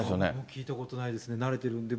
聞いたことないですね、慣れてるんで。